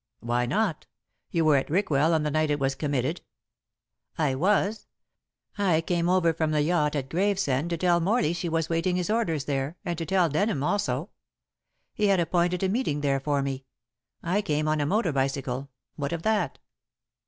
"Why not? You were at Rickwell on the night it was committed." "I was. I came over from the yacht at Gravesend to tell Morley she was waiting his orders there, and to tell Denham also. He had appointed a meeting there for me. I came on a motor bicycle. What of that?"